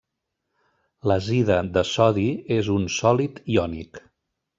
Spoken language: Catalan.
L'azida de sodi és un sòlid iònic.